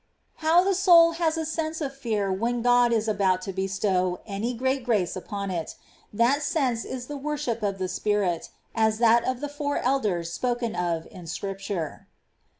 13. How the soul has a sense of fear when God is about to bestow any great grace upon it ; that sense is the worship of the spirit, as that of the fom^ elders spoken of in Scripture.